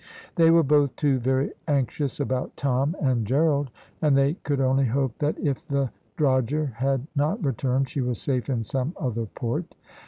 They were both, too, very anxious about Tom and Gerald, and they could only hope that if the drogher had not returned she was safe in some other port.